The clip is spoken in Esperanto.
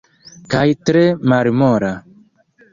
Kaj tre malmola.